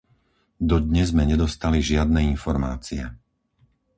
Dodnes sme nedostali žiadne informácie.